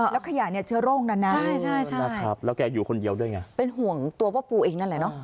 แล้วขยะเชื้อโร่งนานนั้นนะครับเป็นห่วงตัวป้าปูเองนั่นแหละเนอะ